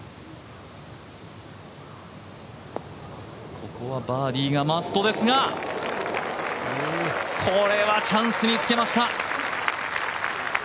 ここはバーディーがマストですがこれはチャンスにつけました！